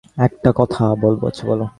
একটা কথা বলবো?